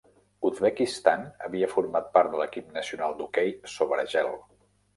Uzbekistan havia format part de l'equip nacional d'hoquei sobre gel.